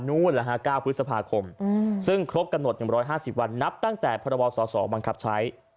๙พฤษภาคมซึ่งครบกำหนด๑๕๐วันนับตั้งแต่พบสสบังคับใช้